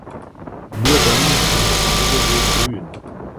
Nur dann kann das Kosovo blühen.